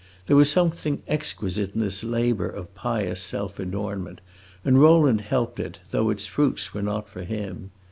There was something exquisite in this labor of pious self adornment, and Rowland helped it, though its fruits were not for him.